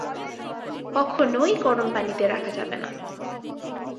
কখনোই গরম পানিতে রাখা যাবে না।